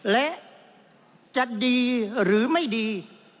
และจะดีหรือไม่ดี